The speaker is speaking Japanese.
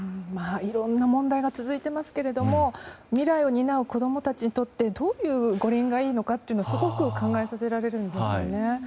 いろんな問題が続いていますが未来を担う子供たちにとってどういう五輪がいいのかすごく考えさせられるんですよね。